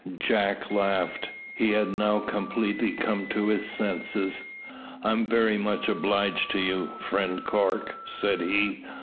Jack laughed. He had now completely come to his senses. "I'm very much obliged to you, Friend Cork," said he.